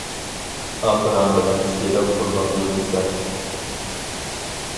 ئاق رەڭ بىلەن سېرىق تۇرمامدۇ دېسەم.